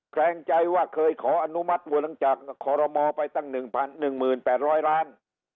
แขลงใจว่าเคยขออนุมัติว่าหลังจากขอรมอไปตั้ง๑หมื่น๘๐๐ล้าน